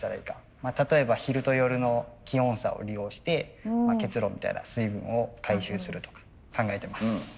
例えば昼と夜の気温差を利用して結露みたいな水分を回収するとか考えてます。